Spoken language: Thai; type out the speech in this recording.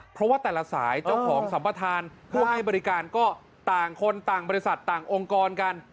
เพราะว่าแต่ละสายเจ้าของสัมปทานผู้ให้บริการก็ต่างคนต่างบริษัทต่างองค์กรกัน